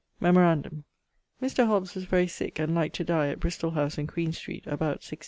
Memorandum Mr. Hobbes was very sick and like to dye at Bristoll house in Queen Street, about 1668.